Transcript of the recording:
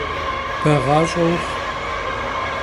Beğaş'e vuxhu!